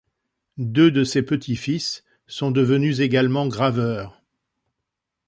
Deux de ses petits-fils sont devenus également graveurs.